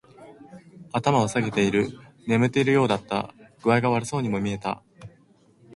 頭を下げている。眠っているようだった。具合が悪そうにも見えた。